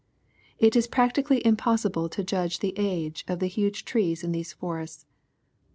It is practically impossible to judge of the age of the huge trees in these forests.